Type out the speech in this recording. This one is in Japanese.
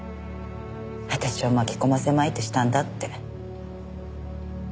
私を巻き込ませまいとしたんだって。